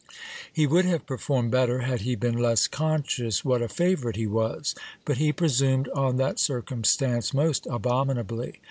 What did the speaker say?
He would have performed better, had he been less conscious what a favourite he was. But he presumed on that cir cumstance most abominably.